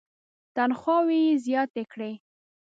تنخواوې یې زیاتې کړې.